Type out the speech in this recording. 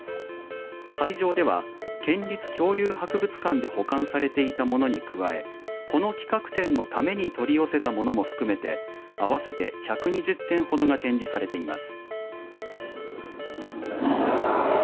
会場では県立恐竜博物館で保管されていたものに加えこの企画展のために取り寄せたものも含めて合わせて１２０点ほどが展示されています。